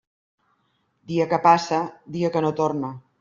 Dia que passa, dia que no torna.